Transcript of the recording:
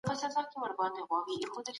اوديسه يوه ډېره پخوانۍ افسانه ده.